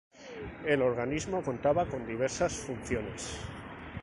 El organismo contaba con diversas funciones.